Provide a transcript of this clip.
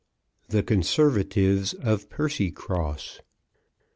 THE CONSERVATIVES OF PERCYCROSS.